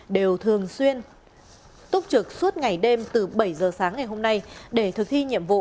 đều thường xuyên túc trực suốt ngày đêm từ bảy giờ sáng ngày hôm nay để thực thi nhiệm vụ